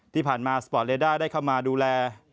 ที่ผ่านมาสปอร์ตเลด้าได้เข้ามาดูแล